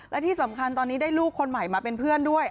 และที่สำคัญตอนนี้ได้ลูกคนใหม่มาเป็นเพื่อนด้วย